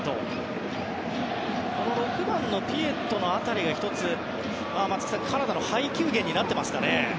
６番、ピエットの辺りが１つ松木さん、カナダの配球源になっていますかね。